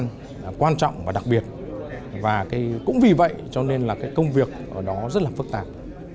công việc quan trọng và đặc biệt và cái cũng vì vậy cho nên là cái công việc ở đó rất là phức tạp